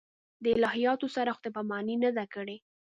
دې الهیاتو سره خدای پاماني نه ده کړې.